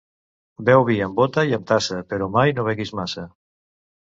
Beu vi amb bota i amb tassa, però mai no beguis massa.